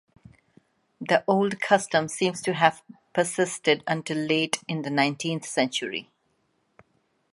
The old custom seems to have persisted until late in the nineteenth century.